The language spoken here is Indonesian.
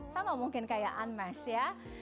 sama mungkin kayak anmesh ya